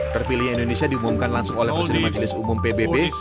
terpilihnya indonesia diumumkan langsung oleh presiden majelis umum pbb